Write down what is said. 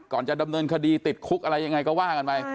จะดำเนินคดีติดคุกอะไรยังไงก็ว่ากันไป